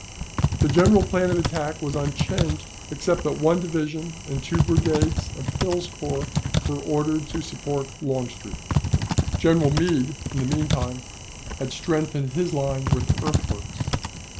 The general plan of attack was unchanged, except that one division and two brigades of Hill's corps were ordered to support Longstreet. General Meade, in the mean time, had strengthened his line with earthworks.